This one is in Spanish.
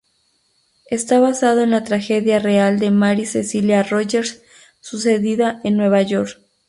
Está basado en la tragedia real de Mary Cecilia Rogers sucedida en Nueva York.